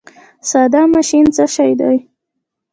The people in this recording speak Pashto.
ساده ماشین څه شی دی؟